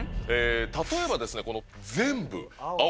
例えばですねこの。